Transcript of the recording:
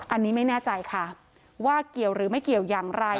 อันนี้ไม่แน่ใจค่ะว่าเกี่ยวหรือไม่เกี่ยวอย่างไร